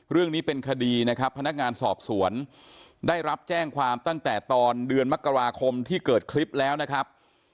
เรื่องนี้เป็นคดีนะครับพนักงานสอบสวนได้รับแจ้งความตั้งแต่ตอนเดือนมกราคมที่เกิดคลิปแล้วนะครับ